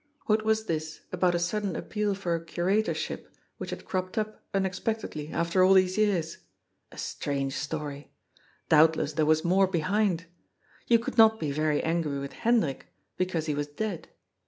What was this about a sudden appeal for a curator ship, which had cropped up unexpectedly after all these years? A strange story. Doubtless there was more behind. You could not be very angry with Hendrik, because he was dead.